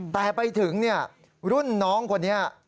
แต่ไปถึงรุ่นน้องคนนี้